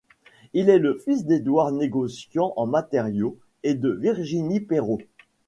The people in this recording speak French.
Il est le fils d'Édouard, négociant en matériaux, et de Virginie Peyraud.